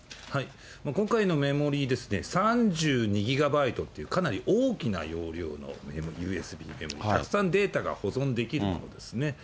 今回のメモリ、３２ギガバイトっていう、かなり大きな容量のＵＳＢメモリで、たくさんデータが保存できるものですね。